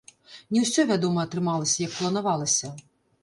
Не ўсё, вядома, атрымалася, як планавалася.